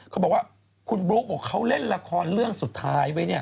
เขาบอกว่าคุณบลุ๊กบอกเขาเล่นละครเรื่องสุดท้ายไว้เนี่ย